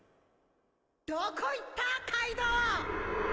どこ行ったカイドウ！